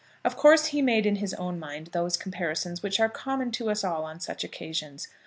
Of course, he made in his own mind those comparisons which are common to us all on such occasions.